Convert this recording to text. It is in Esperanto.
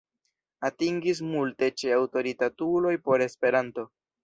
Atingis multe ĉe aŭtoritatuloj por Esperanto.